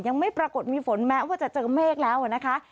ยังไม่ปรากฏมีฝนแม้ว่าจะเจอเมฆแล้วนะคะ